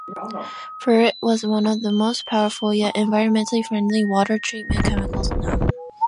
Ferrate is one of the most powerful, yet environmentally friendly, water treatment chemicals known.